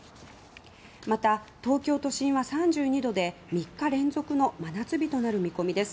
また、東京都心は３２度で３日連続の真夏日となる見込みです。